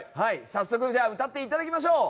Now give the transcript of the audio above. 早速、歌っていただきましょう。